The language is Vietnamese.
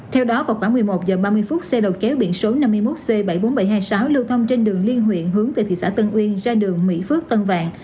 theo đó vào khoảng một mươi một h ba mươi xe đầu kéo biển số năm mươi một c bảy mươi bốn nghìn bảy trăm hai mươi sáu lưu thông trên đường liên huyện hướng từ thị xã tân uyên ra đường mỹ phước tân vạn